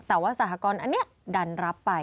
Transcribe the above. แต่ว่าสหกรณ์อันนี้ดันรับไป